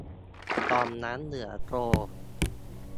ต่อมน้ำเหลืองโต